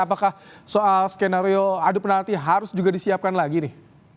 apakah soal skenario adu penalti harus juga disiapkan lagi nih